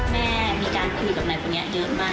แม่มีการคุยกับนายคนนี้เยอะมาก